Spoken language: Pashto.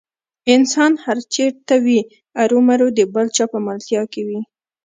انسان هر چېرته وي ارومرو د بل چا په ملتیا کې وي.